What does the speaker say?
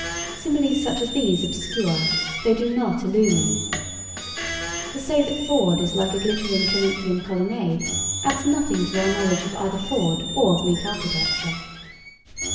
Similes such as these obscure; they do not illumine. To say that Ford is like a glittering Corinthian colonnade adds nothing to our knowledge of either Ford or Greek architecture.